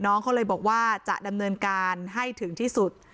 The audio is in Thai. น้องเขาเลยบอกว่าจะดำเนินการให้ถึงที่สุด